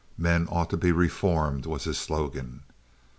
Men ought to be reformed, was his slogan.